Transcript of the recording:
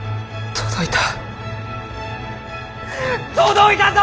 届いたぞ！